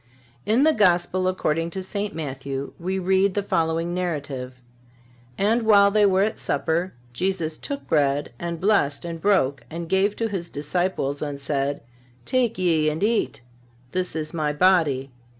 In the Gospel according to St. Matthew we read the following narrative: "And while they were at supper, Jesus took bread, and blessed and broke and gave to His disciples and said: Take ye and eat. This is My body.